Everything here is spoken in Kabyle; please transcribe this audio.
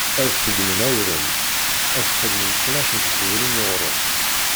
Ad d-teddmem awren, ad d-txedmem tnac n teḥbulin n uɣrum.